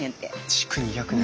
築２００年！